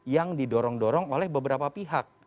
yang didorong dorong oleh beberapa pihak